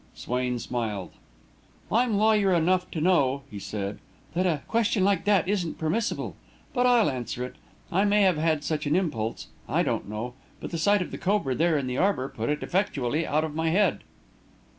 Swain smiled. "I'm lawyer enough to know," he said, "that a question like that isn't permissible. But I'll answer it. I may have had such an impulse I don't know; but the sight of the cobra there in the arbour put it effectually out of my head."